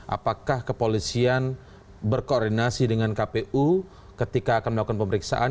apakah kepolisian berkoordinasi dengan kpu ketika akan melakukan pemeriksaan